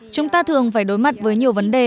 chúng ta thường phải đối mặt với nhiều vấn đề